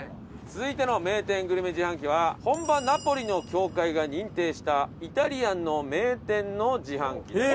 続いての名店グルメ自販機は本場ナポリの協会が認定したイタリアンの名店の自販機。